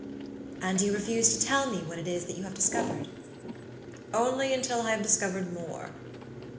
"And you refuse to tell me what it is that you have discovered?" "Only until I have discovered more."